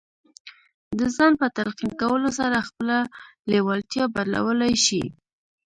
د ځان په تلقين کولو سره خپله لېوالتیا بدلولای شئ.